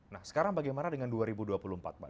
nah sekarang bagaimana dengan dua ribu dua puluh empat mbak